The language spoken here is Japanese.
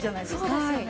そうですよね。